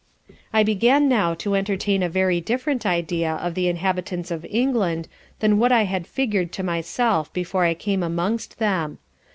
I began now to entertain a very different idea of the inhabitants of England than what I had figur'd to myself before I came amongst them.